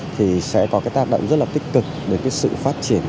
thì sẽ có cái tác động rất là tích cực đến cái sự phát triển